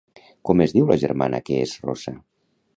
Com es diu la germana que és rossa?